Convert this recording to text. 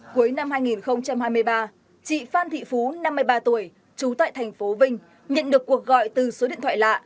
cuối năm hai nghìn hai mươi ba chị phan thị phú năm mươi ba tuổi trú tại thành phố vinh nhận được cuộc gọi từ số điện thoại lạ